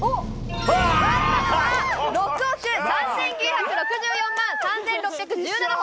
６億３９６４万３６１７歩！